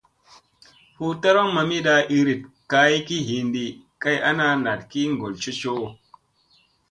Hu taraŋ mamida iiriɗ kayki hinɗi kay ana naɗ ki ŋgol cocoo.